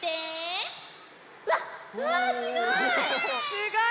すごい！